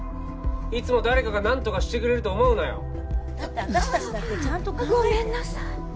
いつも誰かが何とかしてくれると思うなよだって私達だってちゃんとごめんなさい